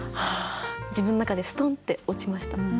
自分の中でストンって落ちました。